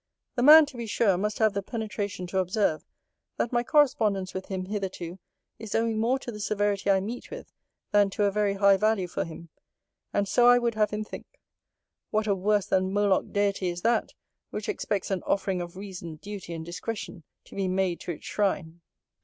The man, to be sure, must have the penetration to observe, that my correspondence with him hitherto is owing more to the severity I meet with, than to a very high value for him. And so I would have him think. What a worse than moloch deity is that, which expects an offering of reason, duty, and discretion, to be made to its shrine!